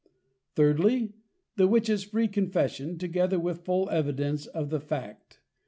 Thirdly, The Witches free Confession, together with full Evidence of the Fact.